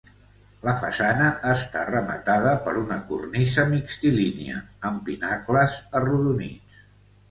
La façana està rematada per una cornisa mixtilínia amb pinacles arrodonits.